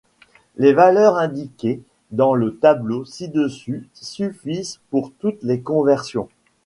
Les valeurs indiquées dans le tableau ci-dessus suffisent pour toutes les conversions.